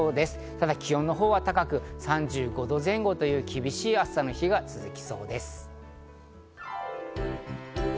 ただ気温は高く、３５度前後という厳しい暑さの日が続きそうです。